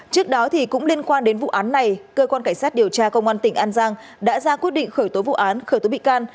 trước đó cũng liên quan đến vụ án này cơ quan cảnh sát điều tra công an tỉnh an giang đã ra quyết định khởi tố vụ án khởi tố bị can